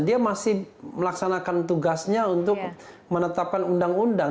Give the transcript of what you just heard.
dia masih melaksanakan tugasnya untuk menetapkan undang undang